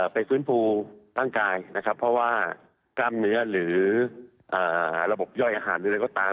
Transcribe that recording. ไปฟื้นฟูร่างกายนะครับเพราะว่ากล้ามเนื้อหรือระบบย่อยอาหารหรืออะไรก็ตาม